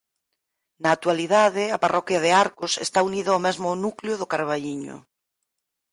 Na actualidade a parroquia de Arcos está unida ó mesmo núcleo do Carballiño.